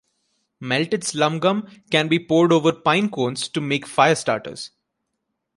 Melted slumgum can be poured over pine cones to make fire starters.